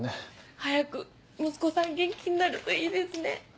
早く息子さん元気になるといいですね。